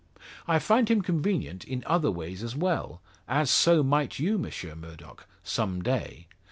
I find him convenient in other ways as well; as so might you, Monsieur Murdock some day.